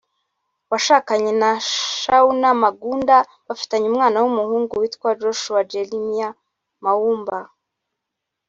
washakanye na Shauna Magunda bafitanye umwana w’umuhungu witwa Joshua Jeremiah Muamba